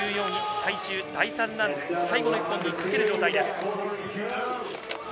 最終第３ラン、最後の１本に賭ける状態です。